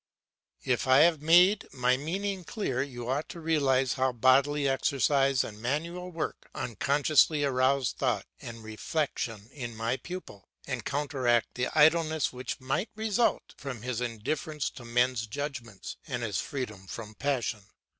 If I have made my meaning clear you ought to realise how bodily exercise and manual work unconsciously arouse thought and reflexion in my pupil, and counteract the idleness which might result from his indifference to men's judgments, and his freedom from passion.